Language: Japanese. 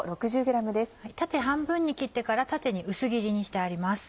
縦半分に切ってから縦に薄切りにしてあります。